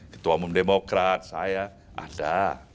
ketua umum demokrat saya ada